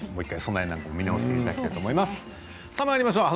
もう一度備えなど見直していただきたいと思います。